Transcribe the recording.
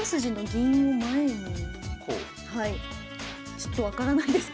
ちょっと分からないですけど。